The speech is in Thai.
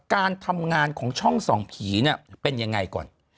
การทำงานของช่องส่องผีเนี่ยเป็นยังไงก่อน